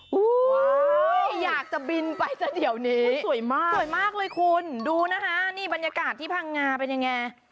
โอ้โหอยากจะบินไปซะเดี๋ยวนี้สวยมากสวยมากเลยคุณดูนะคะนี่บรรยากาศที่พังงาเป็นยังไง